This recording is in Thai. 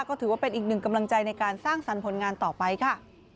ก็ถือว่าเป็นอีกหนึ่งกำลังใจในการสร้างสรรค์ผลงานต่อไปค่ะ